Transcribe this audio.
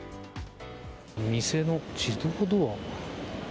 店の自動ドア